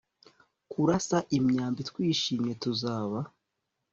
Kurasa imyambi twishimye Tuzaba